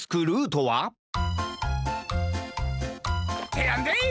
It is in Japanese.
てやんでい！